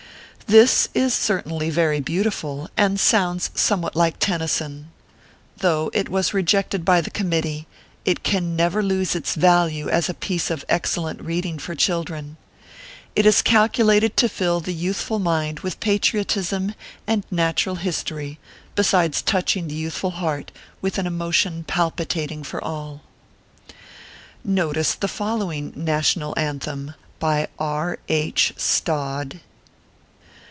This is certainly very beautiful, and sounds some what like Tennyson. Though it was rejected by the Committee, it can never lose its value as a piece of excellent reading for children. It is calculated to fill the youthful mind with patriotism and natural his tory, besides touching the youthful heart with an emotion palpitating for all. Notice the following NATIONAL ANTHEM BY R. II. STOD .